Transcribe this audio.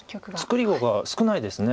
作り碁が少ないですね。